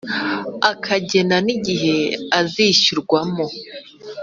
akagena n igihe azishyurwamo